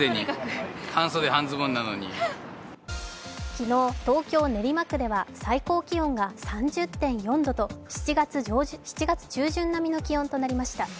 昨日、東京・練馬区では最高気温が３０．４度と７月中旬並みの気温となりました。